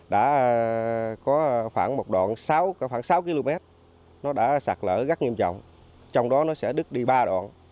đã có khoảng một đoạn khoảng sáu km nó đã sạt lở rất nghiêm trọng trong đó nó sẽ đứt đi ba đoạn